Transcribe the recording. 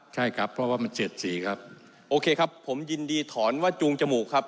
ใช่ครับเพราะว่ามันเจ็ดสีครับโอเคครับผมยินดีถอนว่าจูงจมูกครับ